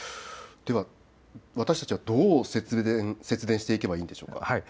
では私たちはどう節電していけばいいのでしょうか。